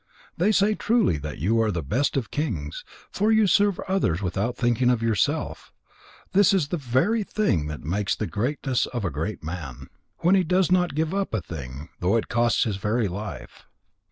They say truly that you are the best of kings, for you serve others without thinking of yourself. This is the very thing that makes the greatness of a great man, when he does not give a thing up, though it costs his very life."